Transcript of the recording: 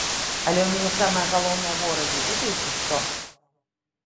Але ў мяне самыя галоўныя ворагі ведаеце хто?